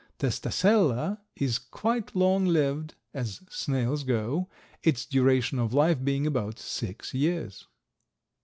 Testacella is quite long lived, as snails go, its duration of life being about six years.